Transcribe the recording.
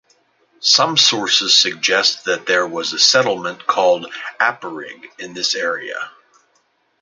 Some sources suggest that there was a settlement called Apurig in this area.